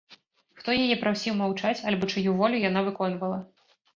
Хто яе прасіў маўчаць альбо чыю волю яна выконвала?